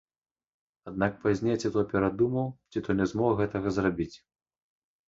Аднак пазней ці то перадумаў, ці то не змог гэтага зрабіць.